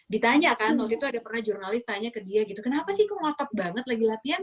ditanya kan waktu itu ada pernah jurnalis tanya ke dia gitu kenapa sih kok ngotot banget lagi latihan